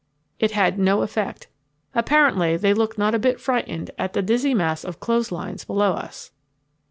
It had no effect. Apparently they looked not a bit frightened at the dizzy mass of clothes lines below us.